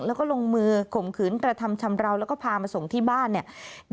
แล้วก็ลงมือข่มขืนกระทำชำราวแล้วก็พามาส่งที่บ้านเนี่ย